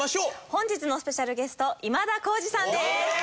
本日のスペシャルゲスト今田耕司さんです。